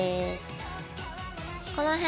この辺。